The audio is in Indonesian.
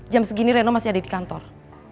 jam segini reno masih ada di kantor